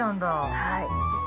はい。